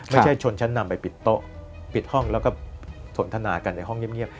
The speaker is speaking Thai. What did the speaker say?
ชนชั้นนำไปปิดโต๊ะปิดห้องแล้วก็สนทนากันในห้องเงียบ